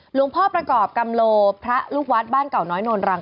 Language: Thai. หลวงพ่อประกอบกำโลพระลูกวัดบ้านเก่าน้อยโนนรัง